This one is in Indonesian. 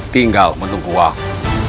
tinggal menunggu waktu